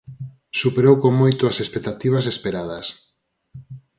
Superou con moito as expectativas esperadas.